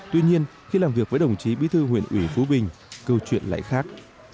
tuy nhiên khi làm việc với đồng chí bí thư huyện ủy phú bình câu chuyện lại khác